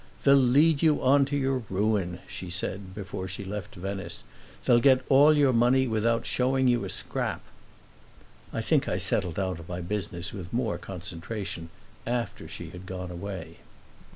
"They'll lead you on to your ruin," she said before she left Venice. "They'll get all your money without showing you a scrap." I think I settled down to my business with more concentration after she had gone away.